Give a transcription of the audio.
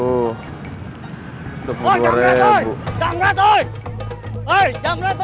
oh jangan oh jangan berapa nih ya